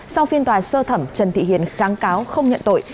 sau phiên tòa sơ thẩm trần thị hiền kháng cáo không nhận tội